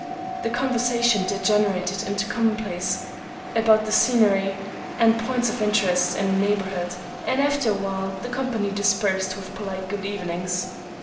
The conversation degenerated into commonplace about the scenery and points of interest in the neighborhood, and after a while the company dispersed with polite good evenings.